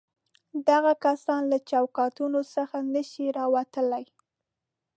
دغه کسان له چوکاټونو څخه نه شي راوتلای.